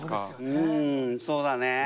うんそうだね。